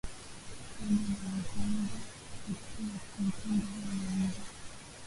kana na mapigano kati ya makundi hayo mawili